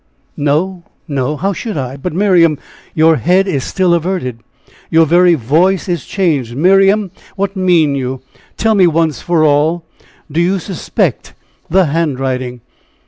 "No! no! how should I? But Miriam, your head is still averted. Your very voice is changed. Miriam! what mean you? Tell me once for all. Do you suspect the handwriting?"